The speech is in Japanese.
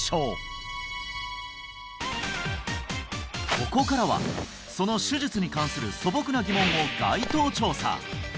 ここからはその手術に関する素朴な疑問を街頭調査